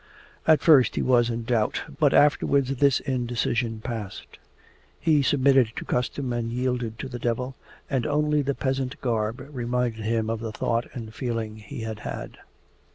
At first he was in doubt, but afterwards this indecision passed. He submitted to custom and yielded to the devil, and only the peasant garb reminded him of the thought and feeling he had had.